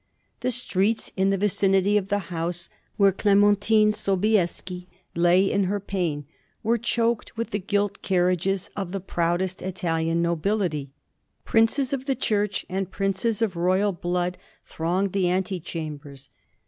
The streets in the vicinity of the house where Clementine Sobieski lay in her pain were choked with the gilt carriages of the proudest Italian nobility; princes of the Church and princes of royal blood thronged the antechambers.